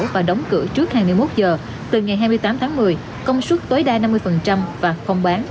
và đóng cửa trước hai mươi một giờ từ ngày hai mươi tám tháng một mươi công suất tối đa năm mươi và không bán